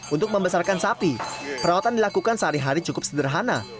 untuk membesarkan sapi perawatan dilakukan sehari hari cukup sederhana